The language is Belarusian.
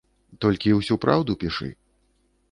Толькі ўсю праўду пішы.